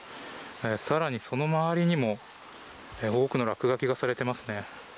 さらに、その周りにも多くの落書きがされていますね。